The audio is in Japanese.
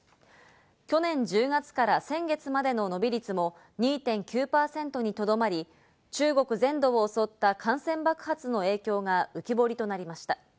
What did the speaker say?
去年１０月から先月までの伸び率も２．９％にとどまり、中国全土を襲った感染爆発の影響が浮き彫りとなりました。